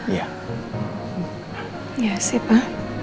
iya sih pa